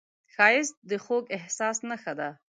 ښایست د خوږ احساس نښه ده